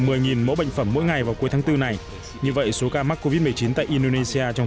mẫu bệnh phẩm mỗi ngày vào cuối tháng bốn này như vậy số ca mắc covid một mươi chín tại indonesia trong